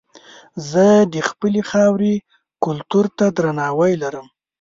زه د خپلې خاورې کلتور ته درناوی لرم.